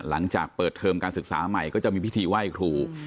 หลังจากเปิดเทอมการศึกษาใหม่ก็จะมีพิธีไหว้ครู